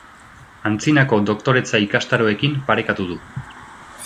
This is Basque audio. Antzinako doktoretza ikastaroekin parekatu du.